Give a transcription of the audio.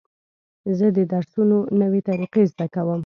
زه د درسونو نوې طریقې زده کوم.